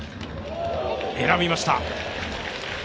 選びました。